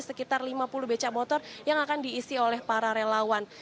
sekitar lima puluh beca motor yang akan diisi oleh para relawan